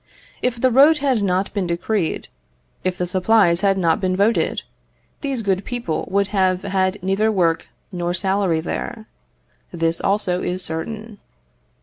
If the road had not been decreed, if the supplies had not been voted, these good people would have had neither work nor salary there; this also is certain.